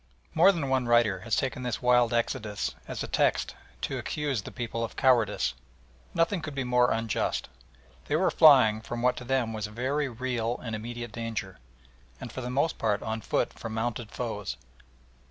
More than one writer has taken this wild exodus as a text to accuse the people of cowardice. Nothing could be more unjust. They were flying from what to them was a very real and immediate danger, and for the most part on foot from mounted foes.